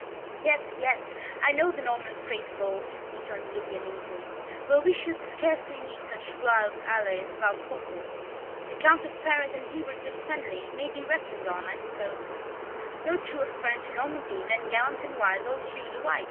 "Yes, yes, I know the Norman faith of old," returned Louis, uneasily, "but we should scarcely need such wild allies as you propose; the Count of Paris, and Hubert of Senlis may be reckoned on, I suppose." "No truer friend to Normandy than gallant and wise old Hugh the White!"